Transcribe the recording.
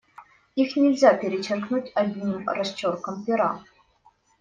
Их нельзя перечеркнуть одним росчерком пера.